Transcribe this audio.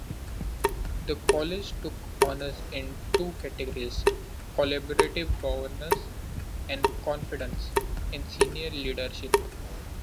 The college took honors in two categories, collaborative governance and confidence in senior leadership.